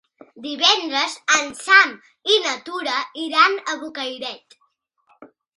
Divendres en Sam i na Tura iran a Bocairent.